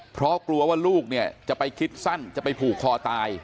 เพราะกลัวว่าลูกเนี่ยจะไปคิดสั้นจะไปผูกคอตาย